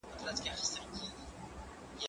زه پرون موسيقي واورېده!.